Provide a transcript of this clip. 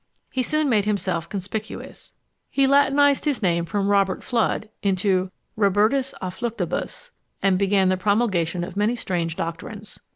He soon made himself conspicuous. He latinised his name from Robert Fludd into Robertus à Fluctibus, and began the promulgation of many strange doctrines.